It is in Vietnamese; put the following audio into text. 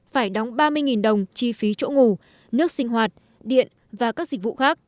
phải đóng ba mươi đồng chi phí chỗ ngủ nước sinh hoạt điện và các dịch vụ khác